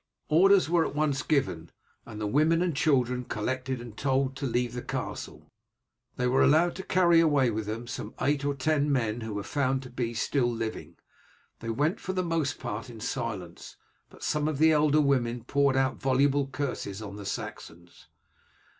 Orders were at once given, and the women and children collected and told to leave the castle. They were allowed to carry away with them some eight or ten men who were found to be still living. They went for the most part in silence, but some of the elder women poured out voluble curses on the Saxons.